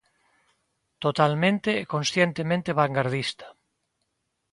Totalmente e conscientemente vangardista.